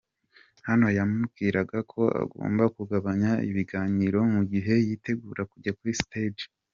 Hano yamubwiraga ko agomba kugabanya ibiganiro mu gihe yitegura kujya kuri stage.